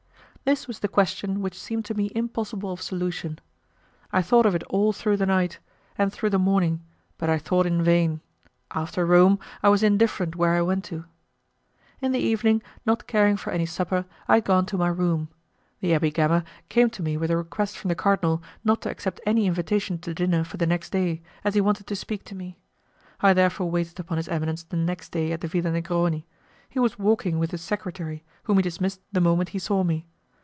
This was the question which seemed to me impossible of solution. I thought of it all through the night, and through the morning, but I thought in vain; after Rome, I was indifferent where I went to! In the evening, not caring for any supper, I had gone to my room; the Abbé Gama came to me with a request from the cardinal not to accept any invitation to dinner for the next day, as he wanted to speak to me. I therefore waited upon his eminence the next day at the Villa Negroni; he was walking with his secretary, whom he dismissed the moment he saw me.